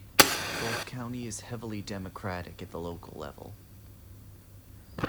Gulf County is heavily Democratic at the local level.